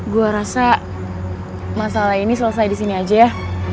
gue rasa masalah ini selesai disini aja ya